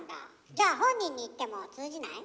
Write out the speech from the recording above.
じゃあ本人に言っても通じない？